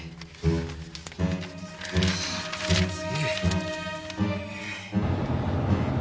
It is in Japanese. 次。